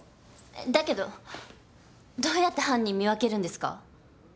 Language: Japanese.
だけどどうやって犯人見分けるんですか？